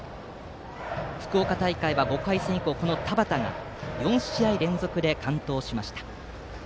福岡大会は５回戦以降この田端が４試合連続で完投しました。